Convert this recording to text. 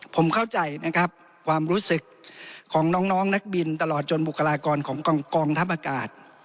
ผมเข้าใจนะครับความรู้สึกของน้องนักบินตลอดจนบุคลากรของกองทัพอากาศ